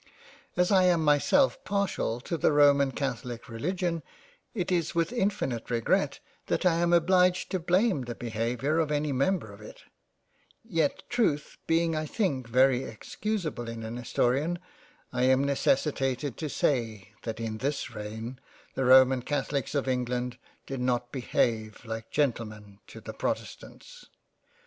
As I am myself partial to the roman catholic religion, it is with infinite regret that I am obliged to blame the Behaviour of any Member of it : yet Truth being I think very excusable in an Historian, I am necessitated to say that in this reign the roman Catholics of England did not behave like Gentlemen to the protestants.